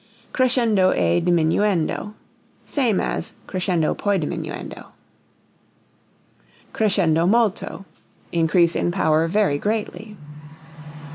Crescendo e diminuendo same as cresc. poi dim. Crescendo molto increase in power very greatly.